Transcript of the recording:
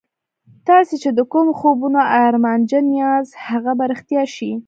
تاسې چې د کومو خوبونو ارمانجن یاست هغه به رښتیا شي